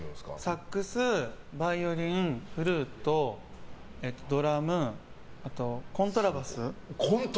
サックス、バイオリンフルートドラム、あとコントラバス。